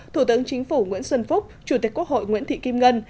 thủ tướng chính phủ nguyễn xuân phúc chủ tịch quốc hội nguyễn thị kim ngân